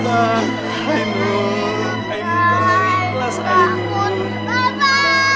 bangun sabar bangun tante